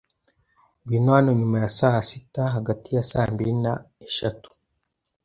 Ngwino hano nyuma ya saa sita hagati ya saa mbiri na eshatu.